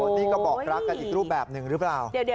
นี่ก็บอกรักกันอีกรูปแบบหนึ่งหรือเปล่า